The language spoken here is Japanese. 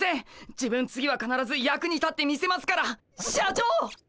自分次はかならず役に立ってみせますからっ！